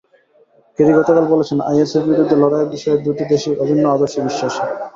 Kerry গতকাল বলেছেন, আইএসের বিরুদ্ধে লড়াইয়ের বিষয়ে দুটি দেশই অভিন্ন আদর্শে বিশ্বাসী।